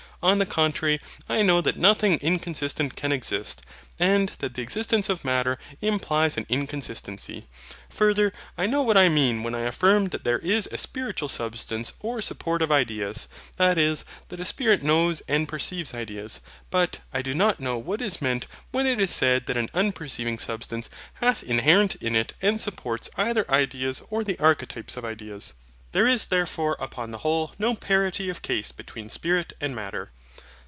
On the contrary, I know that nothing inconsistent can exist, and that the existence of Matter implies an inconsistency. Farther, I know what I mean when I affirm that there is a spiritual substance or support of ideas, that is, that a spirit knows and perceives ideas. But, I do not know what is meant when it is said that an unperceiving substance hath inherent in it and supports either ideas or the archetypes of ideas. There is therefore upon the whole no parity of case between Spirit and Matter.